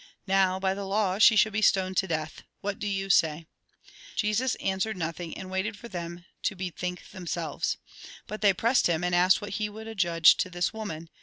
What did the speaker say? Now, by the law she should be stoned to death. What do you say ?" Jesus answered nothing, and waited for them to bethink themselves. But they pressed him, and asked what he would adjudge to this woman.